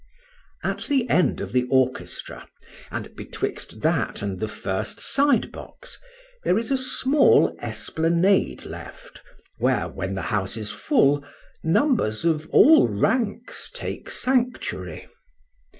At the end of the orchestra, and betwixt that and the first side box, there is a small esplanade left, where, when the house is full, numbers of all ranks take sanctuary.